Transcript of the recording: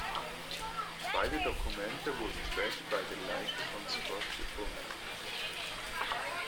Beide Dokumente wurden später bei der Leiche von Scott gefunden.